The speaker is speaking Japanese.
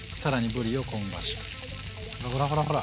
ほらほらほらほら！